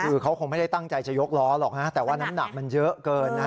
คือเขาคงไม่ได้ตั้งใจจะยกล้อหรอกนะแต่ว่าน้ำหนักมันเยอะเกินนะ